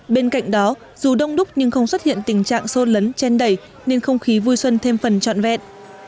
bên cạnh đó dù đông đúc nhưng không xuất hiện tình trạng sôn lấn chen đẩy nên không khí vui xuân thêm phần trọn vẹn